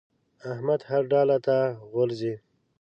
احمد هر ډاله ته غورځي.